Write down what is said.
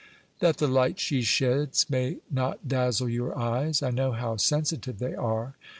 "That the light she sheds may not dazzle your eyes. I know how sensitive they are."